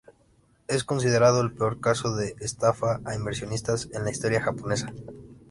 Es considerado el peor caso de estafa a inversionistas en la historia japonesa.